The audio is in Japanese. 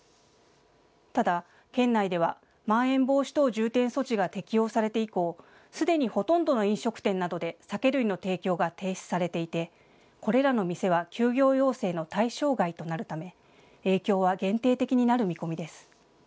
ただ、県内ではまん延防止等重点措置が適用されて以降、すでにほとんどの飲食店などで酒類の提供が停止されていてこれらの店は休業要請の対象外となるため影響は限定的になる見込みです。